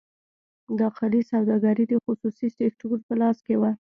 داخلي سوداګري د خصوصي سکتور په لاس کې وه.